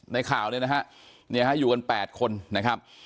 ข่าวเนี่ยนะฮะอยู่กัน๘คนนะครับ